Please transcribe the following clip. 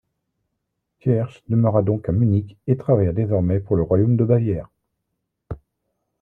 Thiersch demeura donc à Munich et travailla désormais pour le royaume de Bavière.